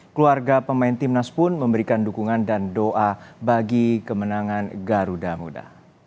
keluarga pemain timnas pun memberikan dukungan dan doa bagi kemenangan garuda muda